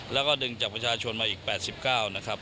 แล้วก็ดึงจากประชาชนมาอีก๘๙นะครับ